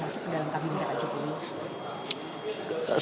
masuk ke dalam kabinet pak jokowi